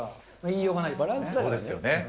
言いようがないですよね。